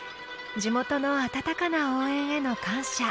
地元の温かな応援への感謝。